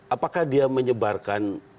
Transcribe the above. apakah dia menyebarkan